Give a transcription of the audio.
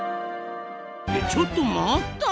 ちょっと待った！